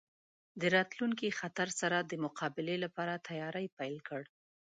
د راتلونکي خطر سره د مقابلې لپاره تیاری پیل کړ.